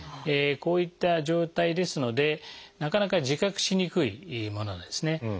こういった状態ですのでなかなか自覚しにくいものなんですね。